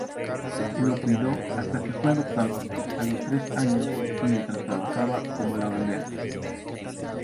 Lo cuidó hasta que fue adoptado a los tres años mientras trabajaba como lavandera.